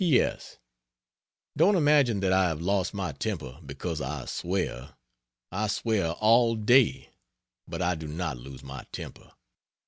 P. S. Don't imagine that I have lost my temper, because I swear. I swear all day, but I do not lose my temper.